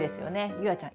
夕空ちゃん